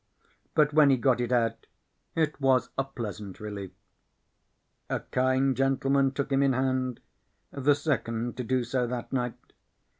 But when he got it out, it was a pleasant relief. A kind gentleman took him in hand, the second to do so that night.